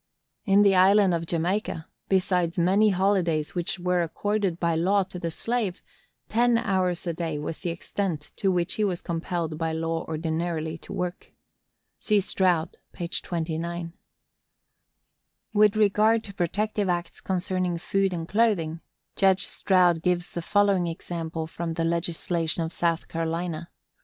In the Island of Jamaica, besides many holidays which were accorded by law to the slave, ten hours a day was the extent to which he was compelled by law ordinarily to work.—See Stroud, p. 29. With regard to protective acts concerning food and clothing, Judge Stroud gives the following example from the legislation of South Carolina.